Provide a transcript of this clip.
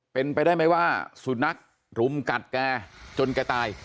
เป็นไปได้ไหมว่าสุนัขรุมกัดแกจนแกตาย